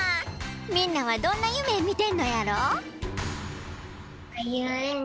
みんなはどんなゆめみてんのやろ？